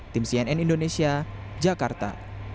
tim cnn indonesia jakarta